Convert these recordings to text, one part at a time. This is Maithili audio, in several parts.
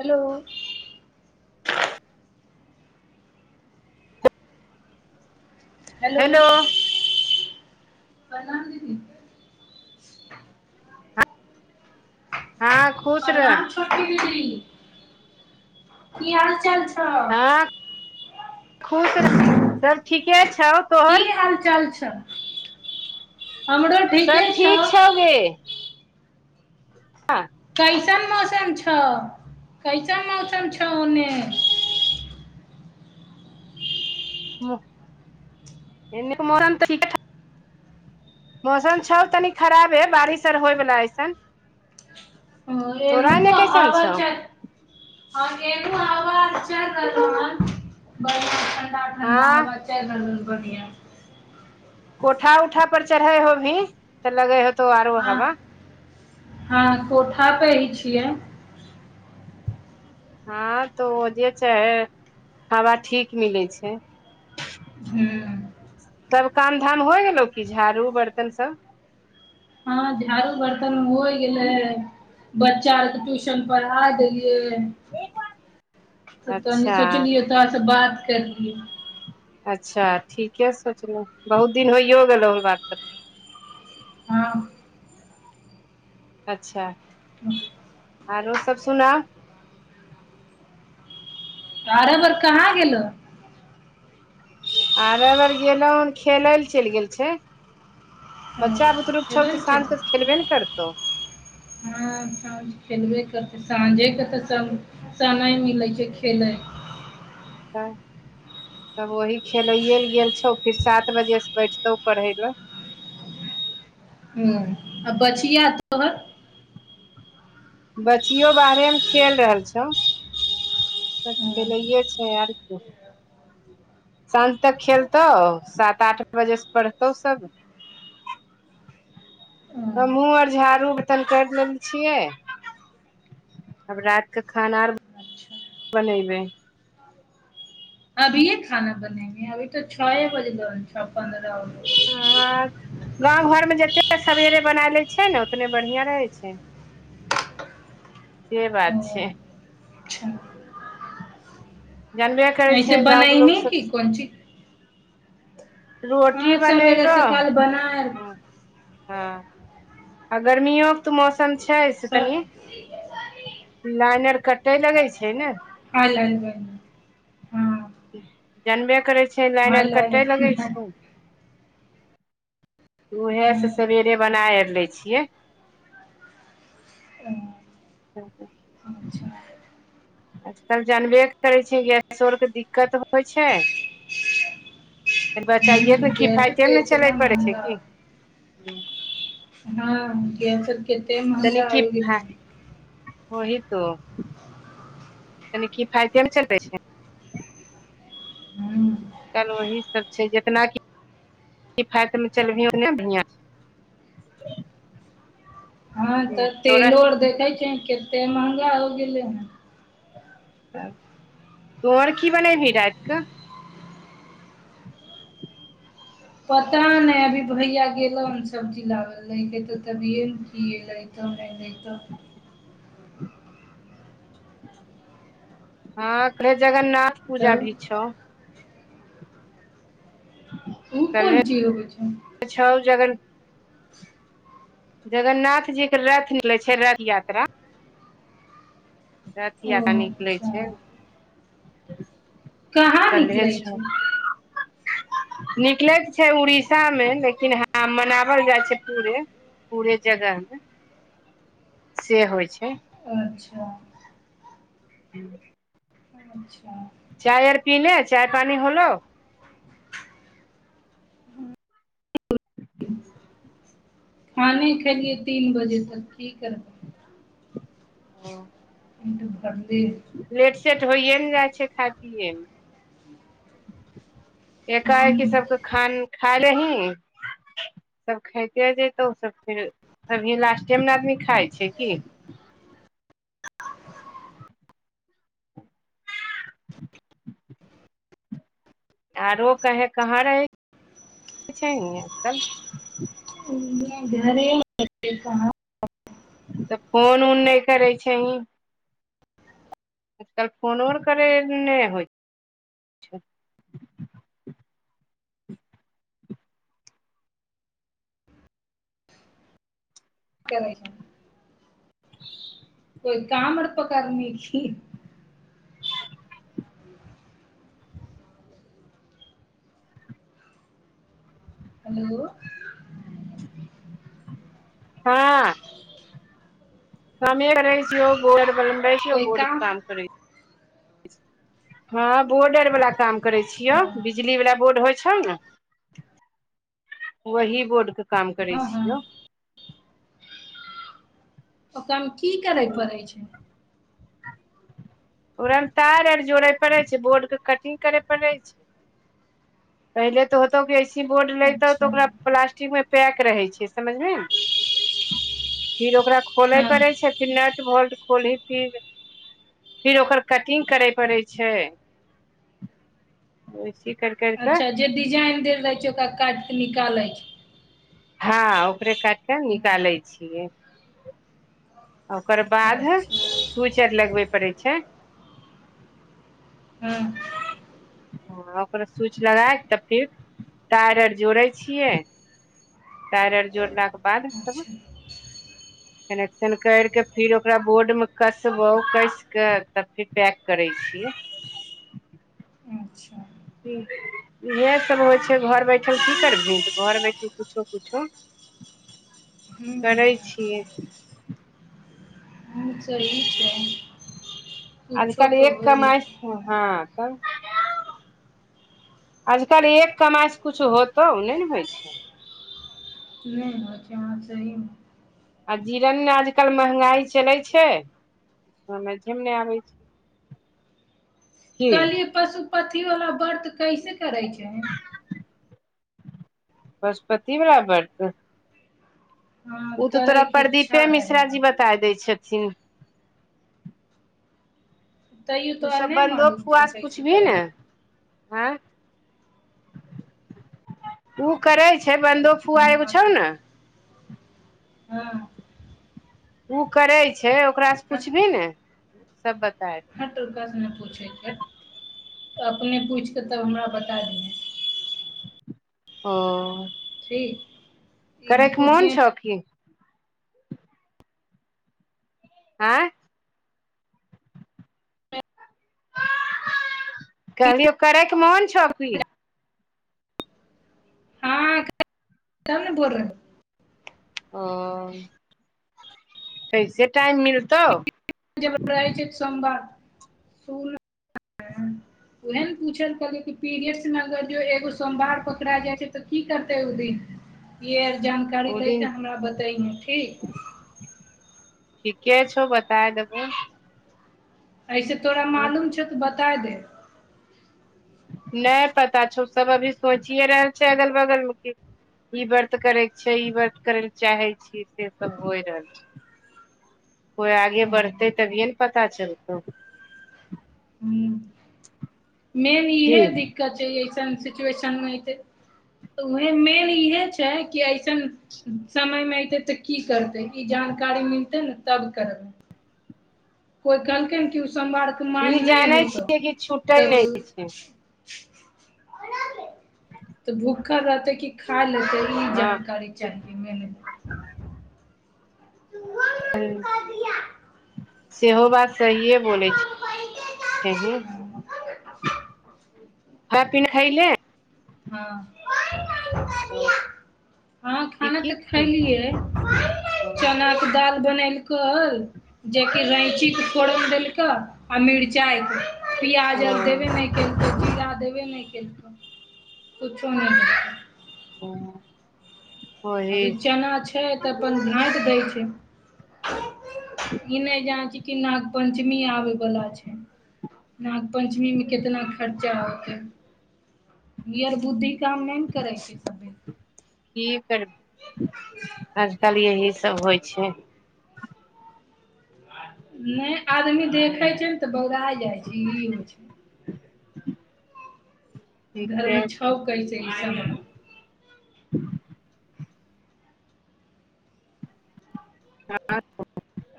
हेलो [inaudible] हेलो प्रणाम दीदी हँ खुश रह प्रणाम छोटी दीदी की हाल चाल छै हँ खुश रह सब ठीके छौ की तोहर हाल चाल छ सब ठीक छौ गे हँ कैसन मौसम छौ कैसन मौसम छौ ओने एने मोरन तऽरीका मौसम छौ तनी खराबे बारिश आर होयवाला ऐसन ह तोरा एन एने तऽ कैसन छौ आवाज छै आ [unintelligible] आजार हं ठण्डा हँ हवा चैल रहल सौ बनिये कोठा ऊठा पर चढ़े हो भी तऽ लगे हो तो आरो हँ हवा हँ कोठा पे ही छियै हँ तो जे छै हवा ठीक मिलै छै हूं सब काम धाम होइ हेनु की झाड़ू बर्तन सब हँ झाडू बर्तन होइ गेलै बच्चा आरके ट्यूशन पढ़ाय देलियै त तनी अच्छा सोचलियै तोड़ा से बात कैरलि अच्छा ठीके सोचलहु बहुत दिन होइयो गेलहु बात कर हँ अच्छा ह आरो सब सुनाउ बारऽ बर कहाँ गेलो आर अबर गेलहुँ हन खेलय लए चलि गेल छै ओ बच्चा बुतरुक छौ खेलै लए तऽ साँझ त चलि तऽ खेलबे ने करतौ हँ सांझ खेलबे करतै साँझेके तऽ सभ समाइ मिलै छै खेलैय तऽ त वही खेलैए ले गेल छौ फेर सात बजे से बैठतौ पढ़े ले हूं आ बच्चिया तो बच्चियो बाहरे मे खेल रहल छौ सब हँ खेलैेये छै आर कु साँझ तक खेलतौ सात आठ बजे स पढ़तौ सब हँ हमहुँ आर झाड़ू बर्तन करि लेल छियै आब रात क खाना आर अच्छा बनेबै अभीए खाना बनेभी अभी तो छ ए बजलौ छ पन्द्रह हँ गाँव घरमे जतेक सवेरे बना लैय छियै ने उतने बढ़िआं रहैत छै [unintelligible] से बात हँ छै अच्छा जानबे करै नै छै गाँंव के लोग बनइने सब की कोथिक रोटी हँ बनैब सबेरे ह सकाल बनायल हँ आ गर्मियोे तऽ मौसम छै स तनि लाइन आर कटय लगै छै ने हाय लायन जनबे करै छै लाइन और हाल हाल कटय लगै बनायल छै उएहे से सवेरे बनायै लै छियै ह [unintelligible] [unintelligible] आजकल जानबे करै छै गैसो आरके दिक्कत होइ छै फेर ह बच्चाइएके ने गैस किफायइतेमे तऽ ने इतना चलय पड़ै छै महंगा कि हँ गैसो कते महगा हो गेल ओही तो तनि की फायते मे चलै छै ह आ कल ओही सब छै जतनाक किफायतमे चलबही ओन्ने बढ़िआँ छै हँ छै तऽ तेलो तोरा आर देखे छै केते महगा हो गेले त तो आर की बनैलही राइत कऽ पता ने अभी भैया गेलौन सब्जी लागल ल ले के ते तभिये ने [unintelligible] की एले नहि नहि तऽ हँ फेर जगन्नाथ पूजा भी तब छौ उ कोन चीज होइ छौ छओ ज अग [unintelligible] न [inaudible] जगन्नाथ जीक के रथ मिलै छै रथ यात्रा ओ रथयात्रा निकलै अच्छा छै कहाँ कलहे निकलै छ छै [inaudible] निकलैत छै उड़ीसा मे लेकिन हँ मनावल जाइ छै पूरे पुरे जगह से होइ छै अच्छा [unintelligible] अच्छा चायर पीले चाय पानी होलो खाने खेलियए तीन बजे त की करबै कर दे लेट सेेट होइए ने जाइ छै खा पिये एका हूँ एकि सबके खान खा ले ही सब खइते जतौ सब फेर हमही लास्टे में न अभी खाय छियै की आरो कहे कहाँ रहै छी हीं इर [unintelligible] तऽ फोन ऊन नहि करै छहीं त फोन उर करै नहि होइ छै [inaudible] कोइ काम और पकरने छी हेलो [unintelligible] ती रहै छिय बोर बइ छ बोर काम करै [unintelligible] हँ बोर्ड आर वाला काम करै छियौ हँ बिजली वाला बोर्ड होइ छौ ने वही बोर्ड के काम करै हँ छियौ ओकरामे की करय पड़ै छै ओकरा मे तार आर जोड़े पड़े छै बोर्ड के कटिंग करे पड़े छै पहिले त होतौ कि ए सी बोर्ड लेतौ तऽ अच्छा ओकरा प्लास्टिक मे पैक रहै छै समझलिन फिर ओकरा खोलै हँ पड़ै छै फिर नट वोल्ट खोली फिर फिर ओकर कटिंग करै पड़ै छै वैसी करके अच्छा जे डिजाइन देल रहे छै ओकरा काट के निकालै छै हा ओकरे काटिकऽ छै हँ निकालै छियै ओकर बाध अच्छा स्विच आर लगबै पड़े छै हँ हँ ओकर स्विच लगाय क फिर टायर आर जोड़ै छियै टायर आर जोड़लाक बाद अच्छा कनेक्शन करिके फिर ओकरा बोर्डमे कसबौ कैस कऽ तब फिर पैक करै छियै अच्छा इएह सब होइ छै घर बैठल की करबही तऽ घर बैठल किुछो कुछो ध [inaudible] करै छियै चलि छै कुछो आजकल तऽ एक हो कमाइ जेतै स हँ तब आजकल एक कमायसँ कुछो होतौ नहि ने होइ छै नहि बचैह हाॅं सही मे आ जीरण मे आजकल महंगाई चलै छै समैझे मे ने आबै छै की कहलिए पशु पथी वाला व्रत कैसे करै छै पशुपति वाला वर्त हँ उ त तोरा करैके प्रदीपे इच्छा रहै मिश्राजी बताय दय छथिन तैयो ओ तोरा सब नहि बन्दो मालूम फुआ छौ स कैसे पुछभी करै ने छै आंई उ करै छै छै बन्दो फुआ हँ एगो छौ ने हँ उ करै छै ओकरासँ पुछबही ने सब बताय दे। हँ तकासँ नहि पूछै छ तऽ अपने पूछिकेऽ हमरा बता दिहै ह [inaudible] करैके मोन पूछिये छौ की आँई कहलियौ करैके मोन छौ की हँ तब ने बोलौ हौ ह कैसे टाइम मिलतौ जब रहै छै संवाद सुल उहे ने पूछे ल कहलिय कि पीरियड्स मे अगर एगो सोमवार पकड़ा जाइ छै त की करतै ओ दिन य आर जानकारी ओ लै दिन के हमरा बतेहे ठीक ठीके छौ बताय देबो ऐसे तोरा हँ मालूम छौ त बताई दे नहि पता छौ सब अभी सोचिए रहल छै अगल बगल मे की ई वर्त करेके छै ई वर्त करे ल चाहे छी से सब होइ रहल छै कोइ आगे हँ बढ़तै तभिये ने पता चलतौ हूं मेन की इहे दिक्कत छै अऐसन सिचुएशन मे एते उह मेन इहे छै कि ऐसन समयमे अयतै तऽ की करतै ई जानकारी मिलतै ने तब कर कोइ कहलकै कि ओ सोमवार सोमवार ई नइ जानै होतह छियै कि छूटै तब नहि छै तऽ भूखा रहतै की खा लेत ई हँ जानकारी चाहिए ह्म सेहो बात सहिए बोलै छी खा [unintelligible] हँ हँ की खाना की तऽ खैले? खलियै चना के दाल बनेल कल जेकि रैंचीके फोरन देलकै आ मिरचाइ के पियाज आर देबे ओ नहि केलके जीरा देबे नहि केलके कुछो न ओ अभी चना छै त अपन झाँट दै छै ई नहि जान छी कि नागपंचमी आबे बला छै नाग पंचमीमे कतना खर्चा होतै ई यर बुद्धि काम नहि ने करै छै कि कर आजकल यही सब होइ छै नहि आदमी देखे छै ने त बौराई जाइ छै ई होइ छै घरमे ठीके छौ छै कैसे [unintelligible] ई सब हँ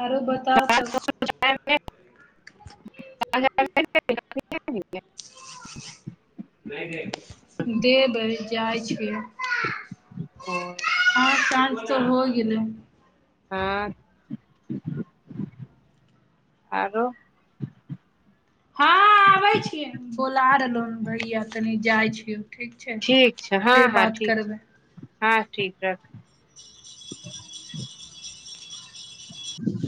आरो बताउ त [unintelligible] देबै जाइ छी आ सांझ तऽ हो गेलै हँ आरो हँ आबे छीयौ बोला रहलो भैया कनि जाय छीय ठीक छै ठीक छै हँ फेर हँ बात ठीक छै करब हँ ठीक राख ह